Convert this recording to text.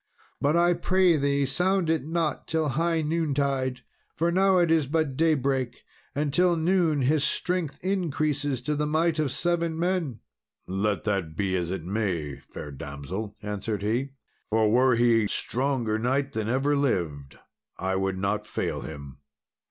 But I pray thee sound it not till high noontide, for now it is but daybreak, and till noon his strength increases to the might of seven men." "Let that be as it may, fair damsel," answered he, "for were he stronger knight than ever lived, I would not fail him.